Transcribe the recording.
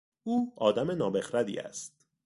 او آدم نابخردی است.